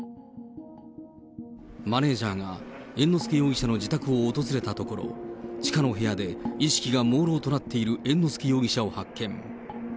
マネージャーが猿之助容疑者の自宅を訪れたところ、地下の部屋で意識がもうろうとなっている猿之助容疑者を発見。